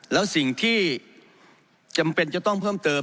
แล้วสิ่งที่จำเป็นจะต้องเพิ่มเติม